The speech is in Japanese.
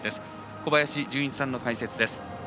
小林順一さんの解説です。